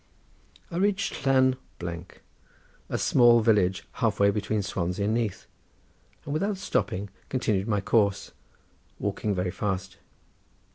I reached Llan—, a small village half way between Swansea and Neath, and without stopping continued my course, walking very fast.